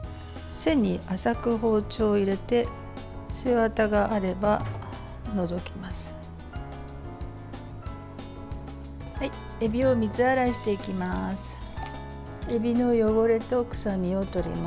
背に浅く包丁を入れて背ワタがあれば除きます。